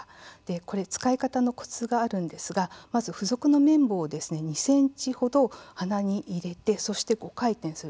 これ使い方のコツがあるんですがまず付属の綿棒を２ｃｍ程鼻に入れて、そして５回転すると。